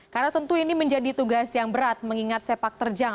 karena tentu ini menjadi tugas yang berat mengingat sepak terjang